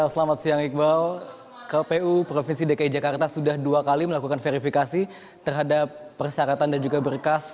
selamat siang iqbal kpu provinsi dki jakarta sudah dua kali melakukan verifikasi terhadap persyaratan dan juga berkas